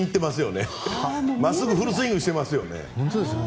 まっすぐをフルスイングしていますよね。